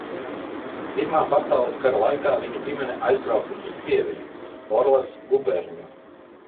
Pirmā pasaules kara laikā viņa ģimene aizbraukusi uz Krieviju, Orlas guberņu.